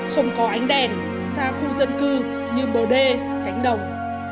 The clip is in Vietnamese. không có ánh đèn xa khu dân cư như bồ đê cánh đồng